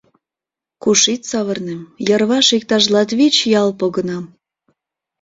Куш ит савырне, йырваш иктаж латвич ял погына!